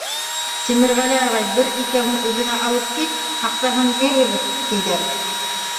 Тимерғәле ағай, бер икәүһен үҙеңә алып кит. Аҡсаһын бирербеҙ, тиҙәр.